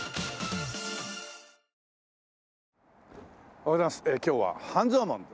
おはようございます。